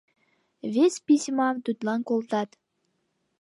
Вес письмам тудлан колтат: